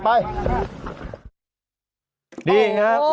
อันนี้คื